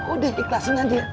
udah ikhlasin aja